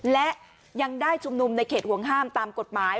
และยังได้ชุมนุมในเขตห่วงห้ามตามกฎหมาย